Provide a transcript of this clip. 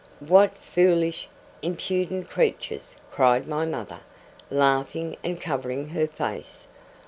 'What foolish, impudent creatures!' cried my mother, laughing and covering her face.